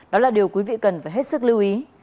đó là điều quý vị cần phải hết sức lưu ý